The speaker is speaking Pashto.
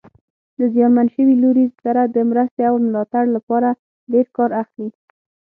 له زیانمن شوي لوري سره د مرستې او ملاتړ لپاره ډېر کار اخلي.